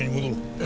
ええ。